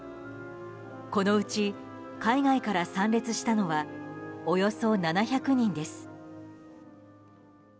このうち海外から参列したのはおよそ７００人です。